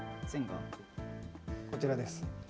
こちらです。